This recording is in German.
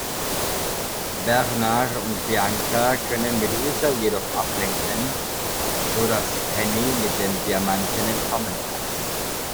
Bernard und Bianca können Medusa jedoch ablenken, sodass Penny mit dem Diamanten entkommen kann.